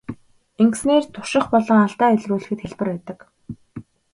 Ингэснээр турших болон алдаа илрүүлэхэд хялбар байдаг.